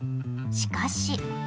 しかし。